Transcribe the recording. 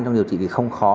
trong điều trị thì không khó